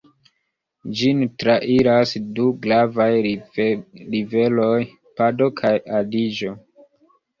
Ĝin trairas du gravaj riveroj, Pado kaj Adiĝo.